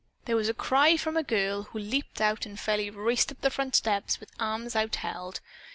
There was a joyful cry from a girl who leaped out and fairly raced up the front steps with arms out held.